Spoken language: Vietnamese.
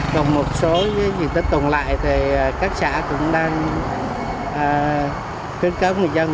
còn một số diện tích tồn lại thì các xã cũng đang khuyến cáo người dân